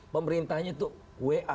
pemerintahnya itu wa